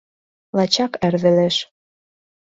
Лачак эр велеш.